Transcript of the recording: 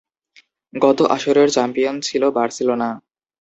গত আসরের চ্যাম্পিয়ন ছিলো বার্সেলোনা।